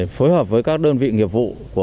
phối hợp với các đơn vị nghiệp vụ